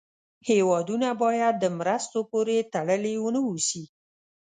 هېوادونه باید د مرستو پورې تړلې و نه اوسي.